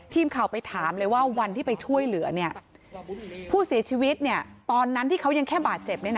ทีมข่าวไปถามเลยว่าวันที่ไปช่วยเหลือผู้เสียชีวิตตอนนั้นที่เขายังแค่บาดเจ็บ